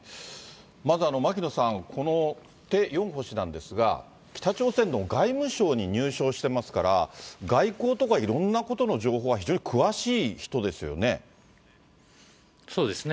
まず牧野さん、このテ・ヨンホ氏なんですが、北朝鮮の外務省に入省してますから、外交とか、いろんなことの情報は非常に詳しい人ですよね？